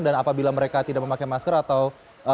dan apabila mereka tidak memakai masker atau